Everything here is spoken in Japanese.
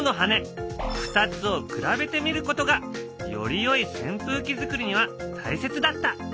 ２つを比べてみることがよりよいせん風機づくりには大切だった。